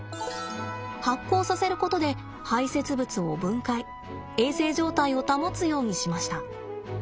発酵させることで排せつ物を分解衛生状態を保つようにしました。